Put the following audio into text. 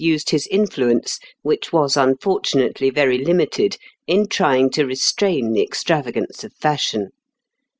used his influence, which was unfortunately very limited, in trying to restrain the extravagance of fashion.